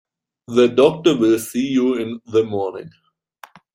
The doctor will see you in the morning.